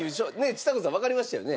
ちさ子さんわかりましたよね？